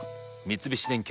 三菱電機